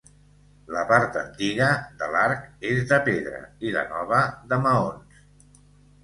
La part antiga de l'arc és de pedra, i la nova de maons.